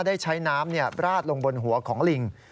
ได้ใช้น้ำราดลงบนหัวของลิง